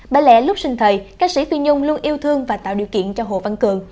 bởi lẽ lúc sinh thời ca sĩ tuy nhung luôn yêu thương và tạo điều kiện cho hồ văn cường